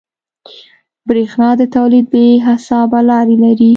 برېښنا د تولید بې حسابه لارې لري.